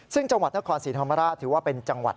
ซึ่งจังหวัดนครศรีธรรมราชถือว่าเป็นจังหวัด